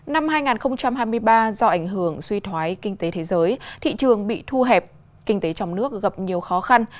năm hai nghìn hai mươi ba do ảnh hưởng suy thoái kinh tế thế giới thị trường bị thu hẹp kinh tế trong nước gặp nhiều khó khăn